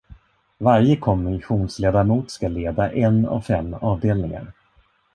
Varje kommissionsledamot skall leda en av fem avdelningar.